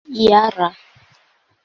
jara